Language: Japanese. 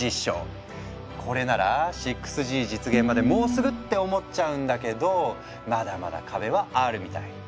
これなら６Ｇ実現までもうすぐって思っちゃうんだけどまだまだ壁はあるみたい。